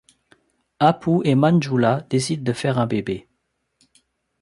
Apu et Manjula décident de faire un bébé.